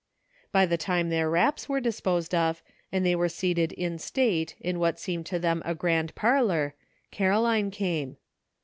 By the time their wraps were disposed of, and they were seated in state in what seemed to them a grand parlor, Caroline came.